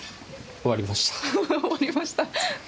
終わりました